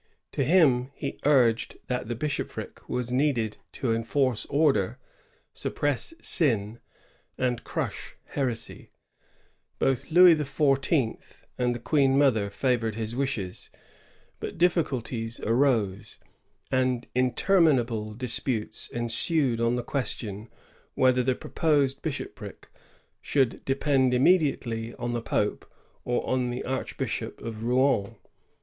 To him he uiged that the bishopric was needed to enforce order, suppress sin, and crush heresy. Both Louis XIV. and the Queen Mother favored his wishes;^ but difSculties arose, and interminable disputes ensued on the question whether the proposed bishopric should depend imme diately on the Pope or on the Archbishop of Rouen.